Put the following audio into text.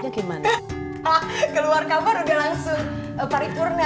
keluar kamar sudah langsung paripurna